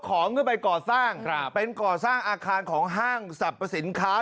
ของก็ไปก่อสร้างครับเป็นก่อสร้างอาคารของห้างสรรพสินค้า